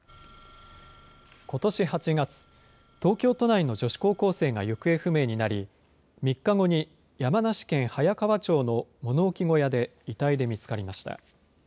ことし８月、東京都内の女子高校生が行方不明になり、３日後に山梨県早川町の物置小屋で、遺体で見つかりました。